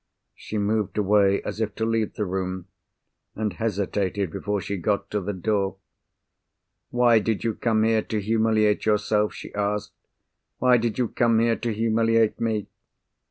She moved away as if to leave the room—and hesitated before she got to the door. "Why did you come here to humiliate yourself?" she asked. "Why did you come here to humiliate me?"